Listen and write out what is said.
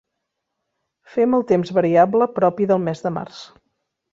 Fem el temps variable propi del mes de març.